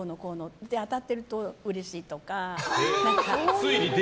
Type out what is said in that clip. それで当たってるとうれしいとか。